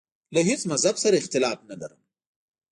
له هیڅ مذهب سره اختلاف نه لرم.